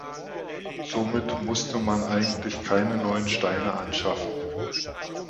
Somit musste man eigentlich keine neuen Steine anschaffen.